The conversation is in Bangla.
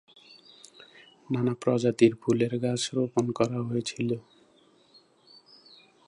নানা প্রজাতির ফুলের গাছ রোপণ করা হয়েছিলো।